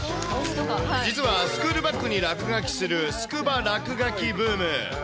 実は、スクールバッグに落書きするスクバ落書きブーム。